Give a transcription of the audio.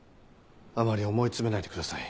あまり思い詰めないでください。